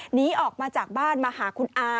หนีออกมาจากบ้านมาหาคุณอา